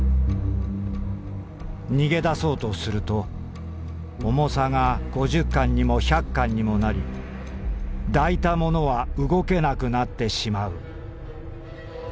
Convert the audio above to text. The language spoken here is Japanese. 「逃げ出そうとすると重さが五十貫にも百貫にもなり抱いた者は動けなくなってしまう。